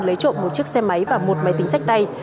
lấy trộm một chiếc xe máy và một máy tính sách tay